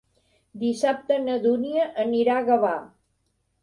Dissabte na Dúnia anirà a Gavà.